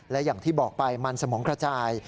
และอย่างที่บอกไปมันสมองกระจาย